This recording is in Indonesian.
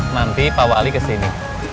nanti pak wali kesini